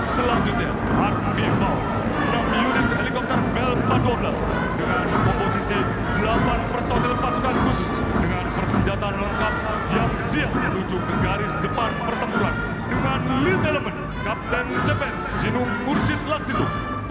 selanjutnya hp power enam unit helikopter velvador dua belas dengan komposisi delapan personil pasukan khusus dengan persenjataan lengkap yang siap menuju ke garis depan pertempuran dengan lead element kapten jepen sinungursit laksidu